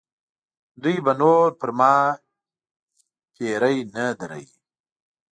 دوی به نور پر ما پیرې نه دروي.